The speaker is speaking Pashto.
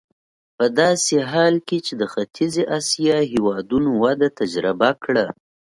په داسې حال کې چې د ختیځې اسیا هېوادونو وده تجربه کړه.